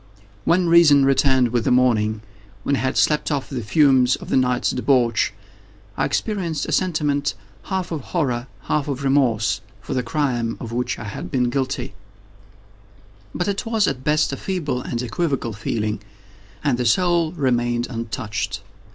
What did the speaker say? When reason returned with the morning—when I had slept off the fumes of the night's debauch—I experienced a sentiment half of horror, half of remorse, for the crime of which I had been guilty; but it was, at best, a feeble and equivocal feeling, and the soul remained untouched.